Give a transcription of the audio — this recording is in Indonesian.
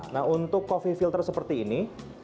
nah untuk coffee filter seperti ini